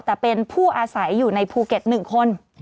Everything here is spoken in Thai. แต่เป็นผู้อาศัยอยู่ในภูเก็ต๑คน